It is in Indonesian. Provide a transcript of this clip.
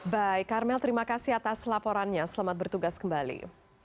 baik karmel terima kasih atas laporannya selamat bertugas kembali